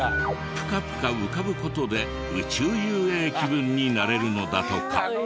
プカプカ浮かぶ事で宇宙遊泳気分になれるのだとか。